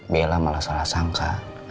bella malah salah sangka